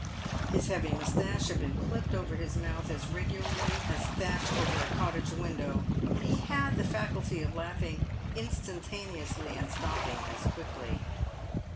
His heavy moustache had been clipped over his mouth as regularly as thatch over a cottage window, and he had the faculty of laughing instantaneously and stopping as quickly.